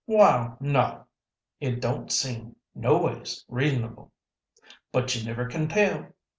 "Wal, no, it don't seem noways reasonable, but you never can tell.